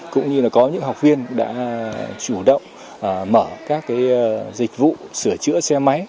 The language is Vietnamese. cũng như là có những học viên đã chủ động mở các dịch vụ sửa chữa xe máy